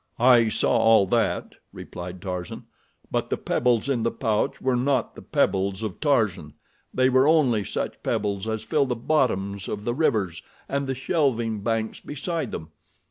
"I saw all that," replied Tarzan; "but the pebbles in the pouch were not the pebbles of Tarzan—they were only such pebbles as fill the bottoms of the rivers, and the shelving banks beside them.